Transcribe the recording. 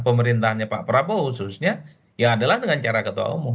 pemerintahnya pak prabowo khususnya ya adalah dengan cara ketua umum